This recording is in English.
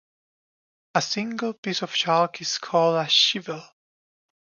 A single piece of chalk is called a schibel.